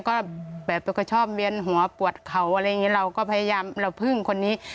ก็แบบเป็นคนชอบเวียนหัวปวดเข่าอะไรอย่างนี้เราก็พยายามเราพึ่งคนนี้